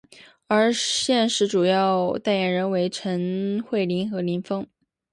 而现时主要代言人为陈慧琳和林峰。